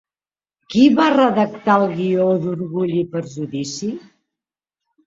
Qui va redactar el guió d'Orgull i prejudici?